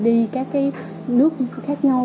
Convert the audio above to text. đi các cái nước khác nhau